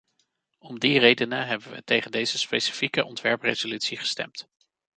Om die redenen hebben we tegen deze specifieke ontwerpresolutie gestemd.